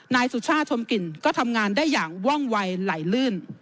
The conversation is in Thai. นายสุชาติชมกลิ่นก็ทำงานได้อย่างว่องวัยไหลลื่น